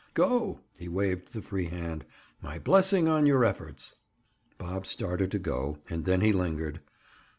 "Go!" He waved the free hand. "My blessing on your efforts." Bob started to go, and then he lingered.